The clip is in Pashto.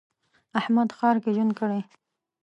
احمد ښار کې ژوند کړی.